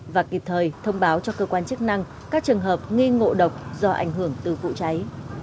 và kịp thời thông báo cho cơ quan chức năng các trường hợp nghi ngộ độc do ảnh hưởng từ vụ cháy